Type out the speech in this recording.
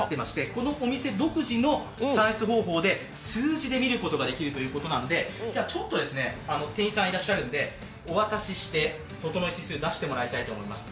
このお店独自の算出方法で数字で見ることができるということなんで店員さんいらっしゃるんでお渡ししてととのい指数出してもらいたいと思います。